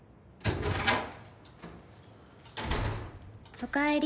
おかえり